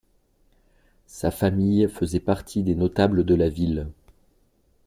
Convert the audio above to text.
Sa famille faisait partie des notables de la ville.